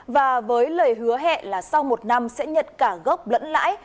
và với lời hứa hẹn là sau một năm sẽ nhận cả gốc lẫn lãi